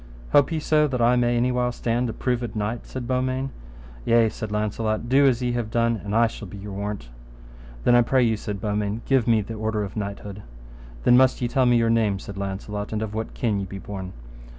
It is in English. Hope ye so that I may any while stand a proved knight? said Beaumains. Yea, said Launcelot, do as ye have done, and I shall be your warrant. Then, I pray you, said Beaumains, give me the order of knighthood. Then must ye tell me your name, said Launcelot, and of what kin ye be born.